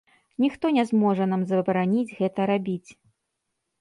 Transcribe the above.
Ніхто не зможа нам забараніць гэта рабіць.